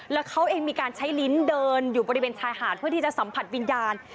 แล้วเขาเองมีการใช้ลิ้นเดินอยู่บริเวณชายหาดเพื่อที่จะสัมผัสวิญญาณ